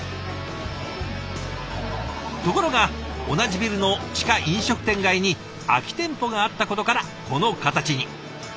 ところが同じビルの地下飲食店街に空き店舗があったことからこの形に。